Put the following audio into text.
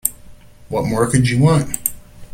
What more could you want?